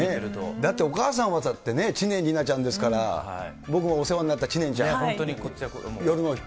だって、お母さんはだってね、知念里奈ちゃんですから、僕もお世話になった知念ちゃん。本当にこちらこそ。